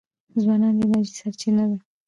ځوانان د انرژۍ سرچینه دي.